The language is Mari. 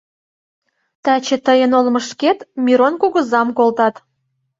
Таче тыйын олмышкет Мирон кугызам колтат.